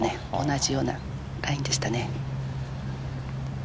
同じようなラインでした。